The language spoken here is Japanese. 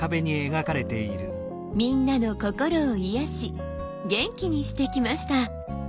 みんなの心を癒やし元気にしてきました。